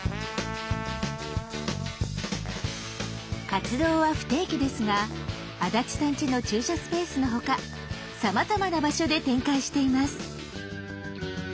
活動は不定期ですが安達さんちの駐車スペースのほかさまざまな場所で展開しています。